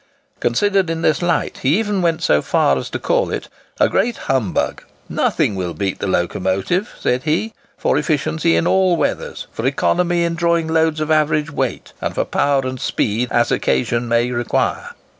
Considered in this light, he even went so far as to call it "a great humbug." "Nothing will beat the locomotive," said he, "for efficiency in all weathers, for economy in drawing loads of average weight, and for power and speed as occasion may require."